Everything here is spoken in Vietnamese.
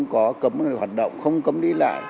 có cấm hoạt động không cấm đi lại